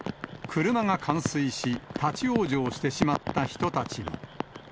車が冠水し、立往生してしまった人たちも。